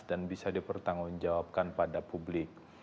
dan bisa dipertanggungjawabkan pada publik